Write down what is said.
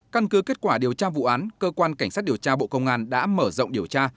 căn cứ kết quả điều tra vụ án cơ quan cảnh sát điều tra bộ công an đã mở rộng điều tra